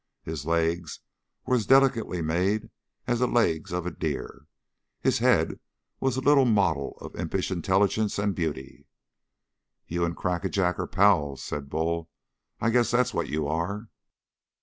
His legs were as delicately made as the legs of a deer; his head was a little model of impish intelligence and beauty. "You and Crackajack are pals," said Bull. "I guess that's what you are!"